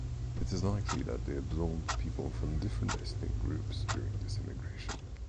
It is likely that they absorbed people from different ethnic groups during this immigration.